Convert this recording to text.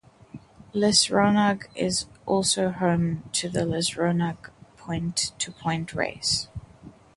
Lisronagh is also home to the Lisronagh Point to Point race.